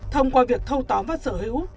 thông qua việc thâu tóm và sở hữu